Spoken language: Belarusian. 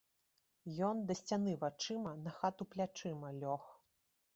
Ён да сцяны вачыма, на хату плячыма лёг.